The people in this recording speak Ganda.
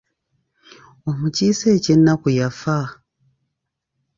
Omukiise eky'ennaku yafa.